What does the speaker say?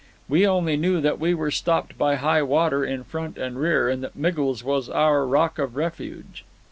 We only knew that we were stopped by high water in front and rear, and that Miggles was our rock of refuge.